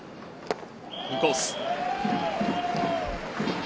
インコース。